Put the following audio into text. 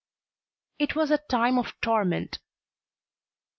It was a time of torment.